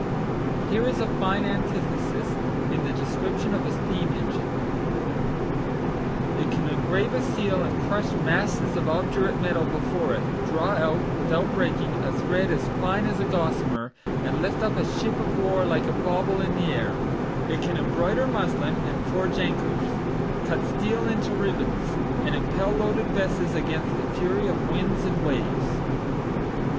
Here is a fine antithesis in the description of a steam engine "It can engrave a seal and crush masses of obdurate metal before it; draw out, without breaking, a thread as fine as a gossamer; and lift up a ship of war like a bauble in the air; it can embroider muslin and forge anchors; cut steel into ribands, and impel loaded vessels against the fury of winds and waves."